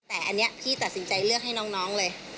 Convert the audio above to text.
แต่อันนี้พี่ตัดสินใจเลือกให้น้องเลย